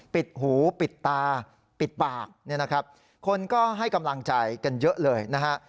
ปิดหูปิดตาปิดปากคนก็ให้กำลังใจกันเยอะเลยนะฮะ